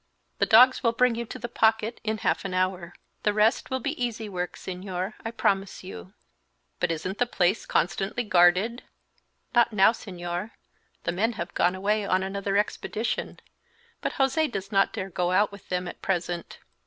The dogs will bring you to the Pocket in half an hour. The rest will be easy work, Señor, I promise you." "But isn't the place constantly guarded?" "Not now, Señor; the men have gone away on another expedition, but José does not dare go out with them at present.